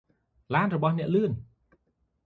ឡានរបស់អ្នកលឿន។